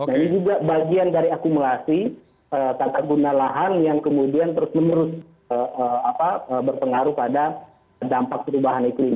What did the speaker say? nah ini juga bagian dari akumulasi tangkap guna lahan yang kemudian terus menerus berpengaruh pada dampak perubahan iklim